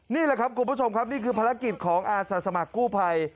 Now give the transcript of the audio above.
นี่แหละครับคุณผู้ชมครับนี่คือภารกิจของอาสาสมัครกู้ภัย